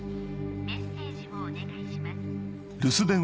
メッセージをお願いします。